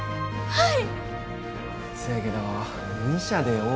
はい。